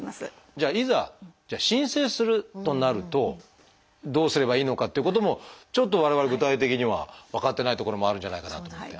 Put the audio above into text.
じゃあいざ申請するとなるとどうすればいいのかっていうこともちょっと我々具体的には分かってないところもあるんじゃないかなと思って。